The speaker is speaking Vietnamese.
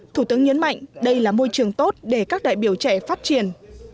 thủ tướng nhấn mạnh đây là môi trường tốt để các đại biểu trẻ phát triển